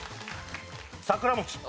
桜餅。